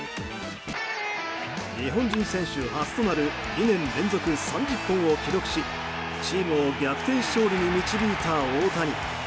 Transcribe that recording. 日本人選手初となる２年連続３０本を記録しチームを逆転勝利に導いた大谷。